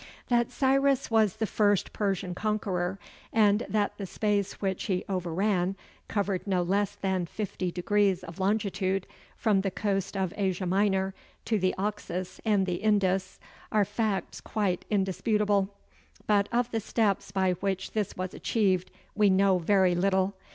That Cyrus was the first Persian conqueror, and that the space which he overran covered no less than fifty degrees of longitude, from the coast of Asia Minor to the Oxus and the Indus, are facts quite indisputable; but of the steps by which this was achieved, we know very little.